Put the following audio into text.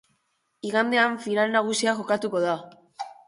Igandean, final nagusia jokatuko da.